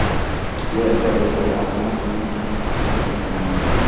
Yeye alikuwa rais wa mahakama hiyo kwa miaka minne.